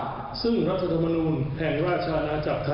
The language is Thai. และโอกาสนี้พระเจ้าอยู่หัวได้พระสถานกำลังใจและเชื่อว่าทุกคนมีความตั้งใจดีครับ